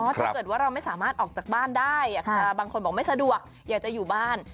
ถ้าเกิดว่าเราไม่สามารถออกจากบ้านได้บางคนบอกไม่สะดวกอยากจะอยู่บ้าน